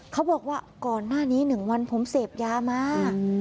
เขาบอกว่าก่อนหน้านี้๑วันผมเสพยามา